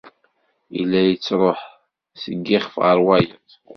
Yella yettruḥ seg yixef ɣer wayeḍ.